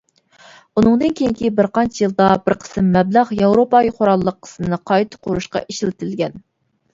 ئۇنىڭدىن كېيىنكى بىر قانچە يىلدا، بىر قىسىم مەبلەغ ياۋروپا قوراللىق قىسمىنى قايتا قۇرۇشقا ئىشلىتىلگەن.